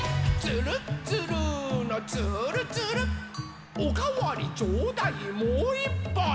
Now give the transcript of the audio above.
「つるっつるーのつーるつる」「おかわりちょうだいもういっぱい！」